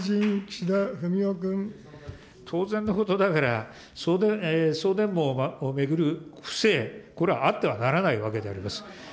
当然のことながら、送電網を巡る不正、これはあってはならないわけであります。